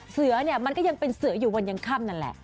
เสือเนี่ยมันก็ยังเป็นเสืออยู่วันยังค่ำนั่นแหละ